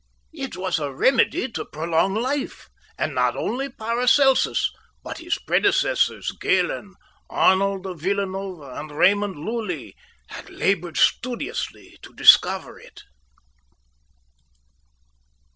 It was a remedy to prolong life, and not only Paracelsus, but his predecessors Galen, Arnold of Villanova, and Raymond Lulli, had laboured studiously to discover it."